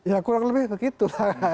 ya kurang lebih begitu